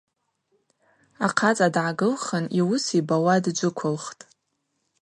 Ахъацӏа дгӏагылхын йуыс йбауа дджвыквылхтӏ.